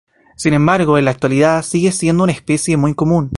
Sin embargo, en la actualidad sigue siendo una especie muy común.